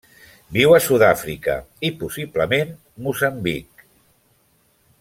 Viu a Sud-àfrica i, possiblement, Moçambic.